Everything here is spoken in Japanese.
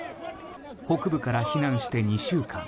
北部から避難して２週間。